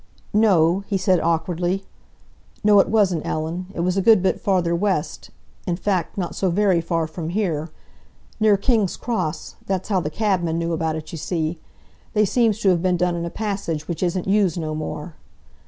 "No," he said awkwardly. "No, it wasn't, Ellen. It was a good bit farther West—in fact, not so very far from here. Near King's Cross—that's how the cabman knew about it, you see. They seems to have been done in a passage which isn't used no more."